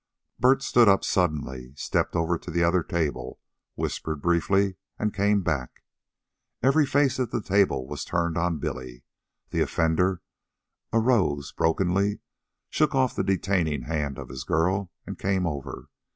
Bert stood up suddenly, stepped over to the other table, whispered briefly, and came back. Every face at the table was turned on Billy. The offender arose brokenly, shook off the detaining hand of his girl, and came over.